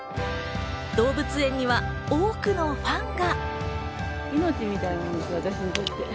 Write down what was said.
動物園には多くのファンが。